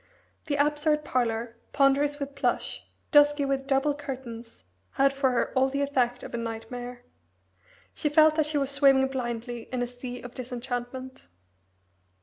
The absurd parlour, ponderous with plush, dusky with double curtains, had for her all the effect of a nightmare. She felt that she was swimming blindly in a sea of disenchantment.